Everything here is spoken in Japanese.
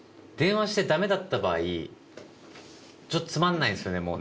電話してダメだった場合ちょっとつまんないですよね